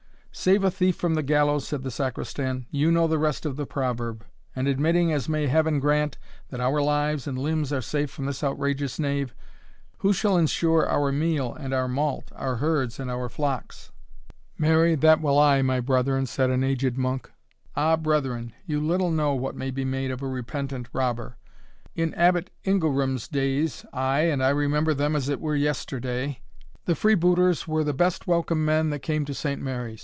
"Save a thief from the gallows," said the Sacristan "you know the rest of the proverb; and admitting, as may Heaven grant, that our lives and limbs are safe from this outrageous knave, who shall insure our meal and our malt, our herds and our flocks?" "Marry, that will I, my brethren," said an aged monk. "Ah, brethren, you little know what may be made of a repentant robber. In Abbot Ingilram's days ay, and I remember them as it were yesterday the freebooters were the best welcome men that came to Saint Mary's.